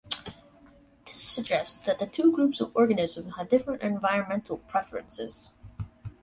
This suggests that the two groups of organisms had different environmental preferences.